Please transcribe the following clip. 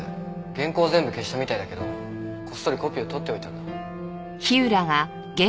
原稿を全部消したみたいだけどこっそりコピーを取っておいたんだ。